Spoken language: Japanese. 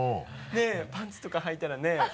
パンツとかはいたらね。